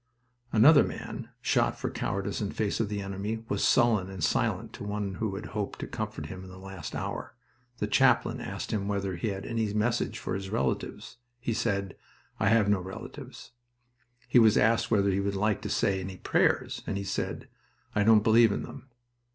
Another man, shot for cowardice in face of the enemy, was sullen and silent to one who hoped to comfort him in the last hour. The chaplain asked him whether he had any message for his relatives. He said, "I have no relatives." He was asked whether he would like to say any prayers, and he said, "I don't believe in them."